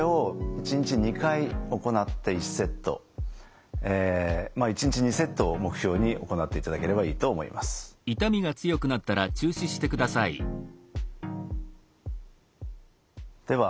１日２セットを目標に行っていただければいいと思います。